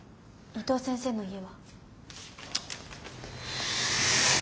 伊藤先生の家は？